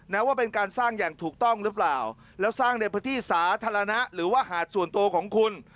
ว่าเป็นการสร้างอย่างถูกต้องหรือเปล่าแล้วสร้างในพื้นที่สาธารณะหรือว่าหาดส่วนตัวของคุณ